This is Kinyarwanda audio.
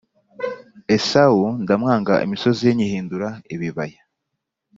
Esawu ndamwanga imisozi ye nyihindura ibibaya